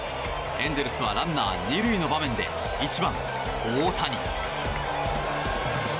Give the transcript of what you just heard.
エンゼルスはランナー２塁の場面で１番、大谷。